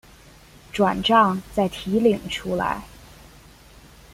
转帐再提领出来